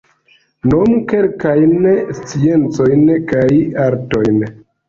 Nomu kelkajn sciencojn kaj artojn.